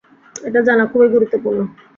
এটা জানা খুবই গুরুত্বপূর্ণ।